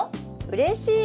うれしい！